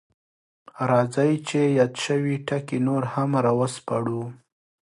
راځئ چې یاد شوي ټکي نور هم راوسپړو: